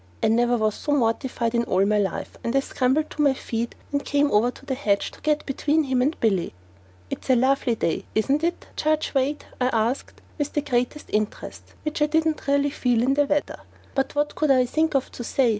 I never was so mortified in all my life, and I scrambled to my feet and came over to the hedge to get between him and Billy. "It's a lovely day, isn't it, Judge Wade?" I asked with the greatest interest, which I didn't really feel, in the weather; but what could I think of to say?